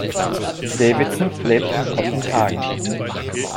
Davidsen lebt in Kopenhagen.